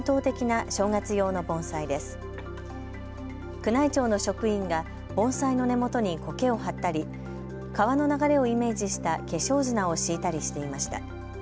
宮内庁の職員が盆栽の根元にこけを張ったり川の流れをイメージした化粧砂を敷いたりしていました。